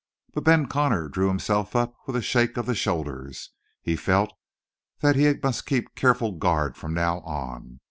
Ben Connor drew himself up with a shake of the shoulders. He felt that he must keep careful guard from now on.